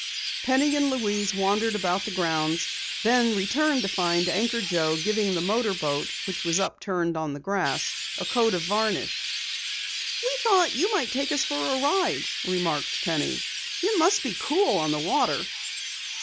Penny and Louise wandered about the grounds, then returned to find Anchor Joe giving the motor boat, which was upturned on the grass, a coat of varnish. "We thought you might take us for a ride," remarked Penny. "It must be cool on the water."